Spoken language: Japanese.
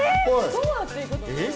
どうなっていくの？